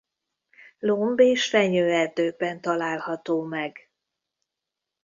Lomb- és fenyőerdőkben található meg.